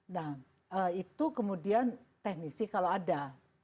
nah itu kemudian teknisi kalau ada